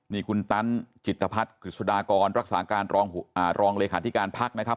นี่คุณตันจิตภัทธ์คฤษฎากรรักษาการรองอ่ารองเลขาธิการภักดิ์นะครับ